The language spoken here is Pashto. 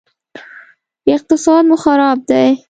اقتصاد مو خراب دی